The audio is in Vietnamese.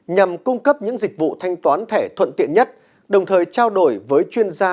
nhằm cung cấp những dịch vụ thanh toán thẻ thuận tiện nhất đồng thời trao đổi với chuyên gia